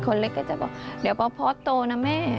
คนเล็กก็จะบอกเดี๋ยวพอสโตนะแม่